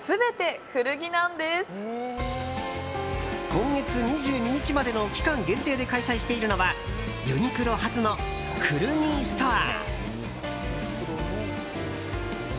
今月２２日までの期間限定で開催しているのはユニクロ初の古着ストア。